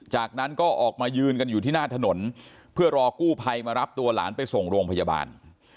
จากนั้นก็ออกมายืนกันอยู่ที่หน้าถนนเพื่อรอกู้ภัยมารับตัวหลานไปส่งโรงพยาบาล